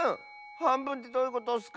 はんぶんってどういうことッスか？